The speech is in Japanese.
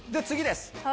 次です